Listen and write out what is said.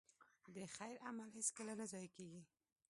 د خیر عمل هېڅکله نه ضایع کېږي.